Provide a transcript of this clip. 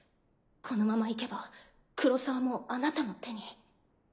このままいけば黒澤もあなたの手に。